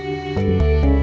peminatnya dia sudah selesai